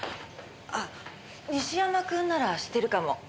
ああ西山君なら知ってるかも。